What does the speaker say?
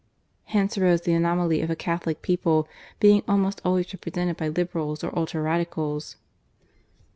Hence arose the anomaly of a Catholic people being almost always represented by Liberals or Ultra Radicals.